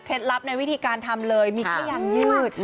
ลับในวิธีการทำเลยมีแค่ยางยืด